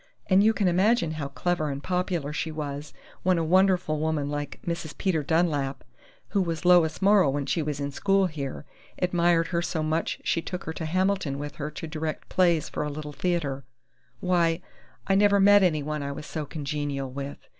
And you can imagine how clever and popular she was, when a wonderful woman like Mrs. Peter Dunlap, who was Lois Morrow when she was in school here, admired her so much she took her to Hamilton with her to direct plays for a Little Theater.... Why, I never met anyone I was so congenial with!"